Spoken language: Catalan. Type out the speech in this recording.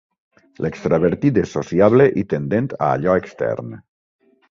L'extravertit és sociable i tendent a allò extern.